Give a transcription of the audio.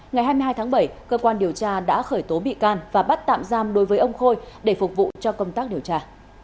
ngày hai mươi hai tháng bảy cơ quan điều tra đã khởi tố bị can và bắt tạm giam đối với ông khôi để phục vụ cho công tác điều tra